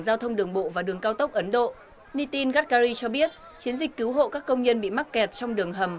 giao thông đường bộ và đường cao tốc ấn độ nitin gatkari cho biết chiến dịch cứu hộ các công nhân bị mắc kẹt trong đường hầm